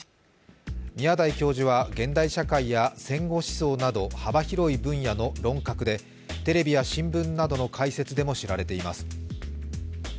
宮台教授は、現代社会や戦後思想など幅広い分野の論客でテレビや新聞などの解説でも知られています。